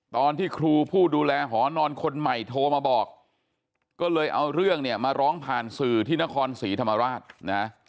ตอนที่ครูผู้ดูแลหอนอนคนใหม่โทรมาบอกก็เลยเอาเรื่องเนี่ยมาร้องผ่านสื่อที่นครศรีธรรมราชนะ